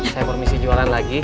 saya permisi jualan lagi